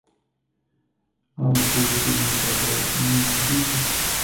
Ama qunchu unuta apamunkichu.